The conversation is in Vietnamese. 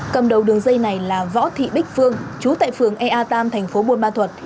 cầm đầu đường dây này là võ thị bích phương chú tại phường ea tam thành phố buôn ma thuật